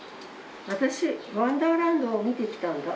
私ワンダーランドを見てきたんだ」。